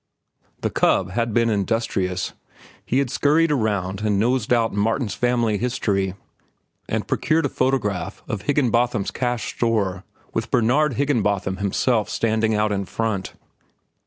The cub had been industrious. He had scurried around and nosed out Martin's family history, and procured a photograph of Higginbotham's Cash Store with Bernard Higginbotham himself standing out in front.